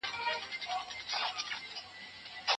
جګړه په غرونو کې پیل شوه.